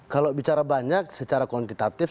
kalau bicara banyak secara kuantitatif